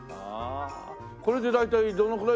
これで大体どのくらい？